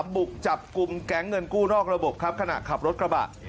บุกจับกลุ่มแก๊งเงินกู้นอกระบบครับขณะขับรถกระบะ